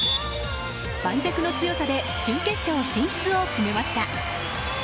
盤石の強さで準決勝進出を決めました。